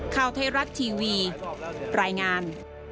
ข้าวเทศรัทย์ทีวีปรายงาน